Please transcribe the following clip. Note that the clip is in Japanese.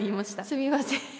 すみません。